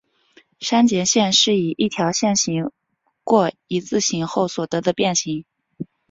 删节线是以一条线划过一字形后所得的变型。